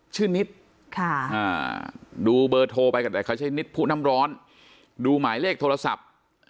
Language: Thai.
นิดดูเบอร์โทรไปก็ได้เขาใช้นิดผู้น้ำร้อนดูหมายเลขโทรศัพท์